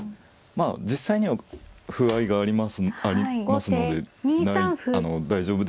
まあ実際には歩合いがありますので。